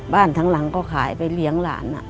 ทั้งหลังก็ขายไปเลี้ยงหลาน